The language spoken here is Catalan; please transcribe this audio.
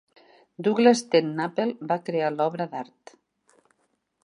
Douglas TenNapel va crear l'obra d'art.